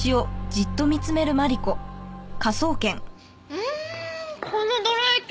うんこのどら焼き